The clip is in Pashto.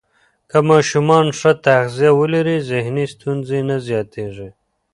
که ماشومان ښه تغذیه ولري، ذهني ستونزې نه زیاتېږي.